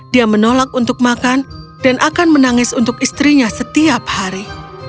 dia menolak untuk makan dan akan menangis untuk istrinya setiap hari